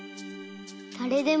だれでも？